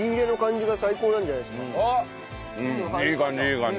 うんいい感じいい感じ。